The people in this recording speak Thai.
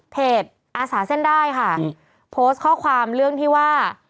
อาสาเส้นได้ค่ะโพสต์ข้อความเรื่องที่ว่า